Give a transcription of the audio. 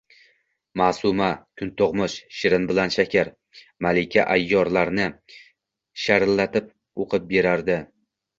Maʼsuma «Kuntugʼmish», «Shirin bilan Shakar», «Malika ayyor»larni sharillatib oʼqib berardi.